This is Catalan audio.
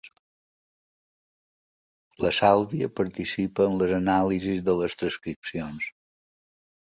La Sàlvia participa en les anàlisis de les transcripcions.